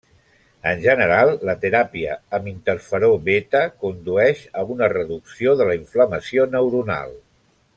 En general, la teràpia amb interferó beta condueix a una reducció de la inflamació neuronal.